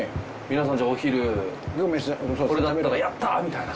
皆さんじゃあお昼これだったら「やった！」みたいな。